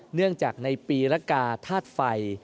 เนื่องจากในปีละกาศาสตร์ไฟ